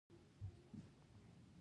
دوی د انسان غوښې خوړلو ته اړ شول.